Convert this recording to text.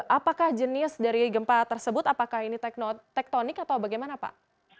apakah jenis dari gempa tersebut tektonik atau bagaimana pak